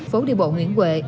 phố đi bộ nguyễn huệ